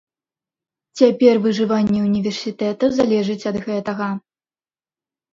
Цяпер выжыванне ўніверсітэта залежыць ад гэтага.